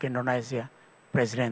tuan dan tuan presiden